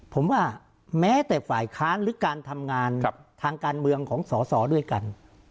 ผมว่าแม้แต่ฝ่ายค้านหรือการทำงานทางการเมืองของสอสอด้วยกัน